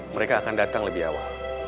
mereka akan datang lebih awal